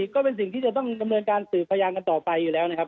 ก็เป็นสิ่งที่จะต้องดำเนินการสืบพยานกันต่อไปอยู่แล้วนะครับ